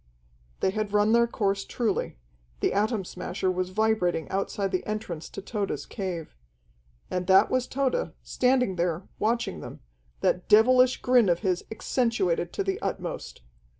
They had run their course truly. The Atom Smasher was vibrating outside the entrance to Tode's cave. And that was Tode, standing there, watching them, that devilish grin of his accentuated to the utmost.